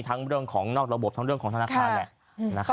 เรื่องของนอกระบบทั้งเรื่องของธนาคารแหละ